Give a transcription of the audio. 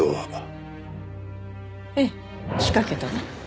ええ仕掛けたわ。